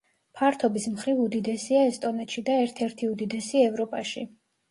ფართობის მხრივ უდიდესია ესტონეთში და ერთ-ერთი უდიდესი ევროპაში.